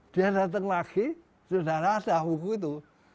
dia datang lagi sudah rasa buku itu